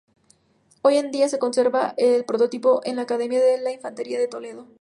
Hoy en día se conserva el prototipo en la Academia de Infantería de Toledo.